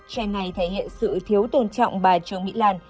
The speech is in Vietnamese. tre này thể hiện sự thiếu tôn trọng bà trương mỹ lan